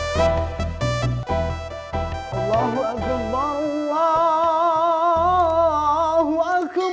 kotipnya belum datang kan